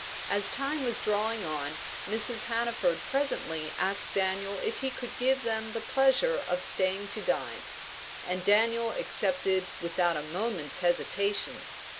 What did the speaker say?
As time was drawing on, Mrs. Hannaford presently asked Daniel if he could give them the pleasure of staying to dine; and Daniel accepted without a moment's hesitation.